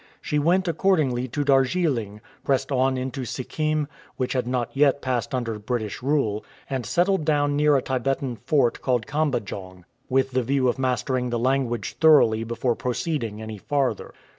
She went accordingly to Darjeeling, pressed on into Sikkim, which had not yet passed under British rule, and settled down near a Tibetan fort called Kambajong, with the view of mastering the language thoroughly before pro ceeding any farther.